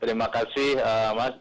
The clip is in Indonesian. terima kasih mas